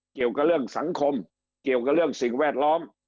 เกี่ยวกับเรื่องสังคมเกี่ยวกับเรื่องสิ่งแวดล้อม